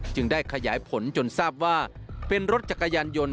ได้ขยายผลจนทราบว่าเป็นรถจักรยานยนต์